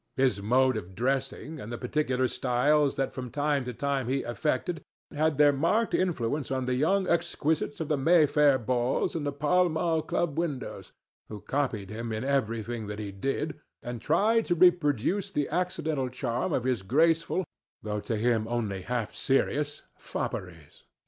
His mode of dressing, and the particular styles that from time to time he affected, had their marked influence on the young exquisites of the Mayfair balls and Pall Mall club windows, who copied him in everything that he did, and tried to reproduce the accidental charm of his graceful, though to him only half serious, fopperies.